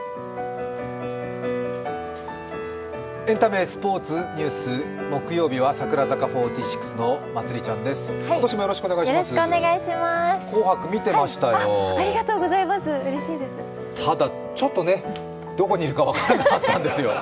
エンタメ・スポーツニュース、木曜日は櫻坂４６のまつりちゃんです。